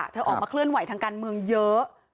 เธอออกมาเคลื่อนไหวทางการเมืองเยอะ